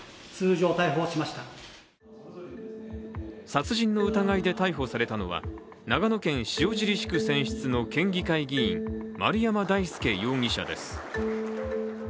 殺人の疑いで逮捕されたのは長野県塩尻市区選出の県議会議員・丸山大輔容疑者です。